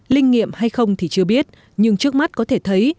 linh nghiệm hay không thì chưa biết nhưng trước mắt có thể thấy